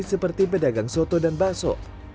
seperti pedagang soto dan bakso